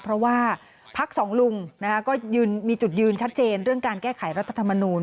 เพราะว่าพักสองลุงก็มีจุดยืนชัดเจนเรื่องการแก้ไขรัฐธรรมนูล